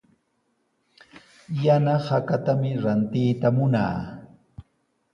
Yana hakatami rantiyta munaa.